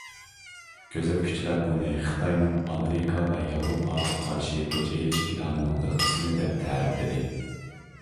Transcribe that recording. كۆزەتكۈچىلەر بۇنى خىتاينىڭ ئامېرىكا ۋە ياۋروپاغا قارشى ئۆچ ئېلىش پىلانىنىڭ بىر قىسمى دەپ تەرىپلىدى.